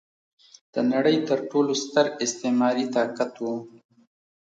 د نړۍ تر ټولو ستر استعماري طاقت و.